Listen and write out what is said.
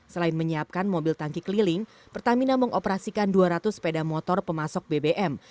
selain menyiapkan mobil tangki keliling pertamina mengoperasikan dua ratus sepeda motor pemasok bbm